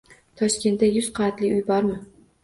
Toshkentda yuz qavatli uy bormi?